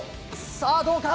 さあ、どうか。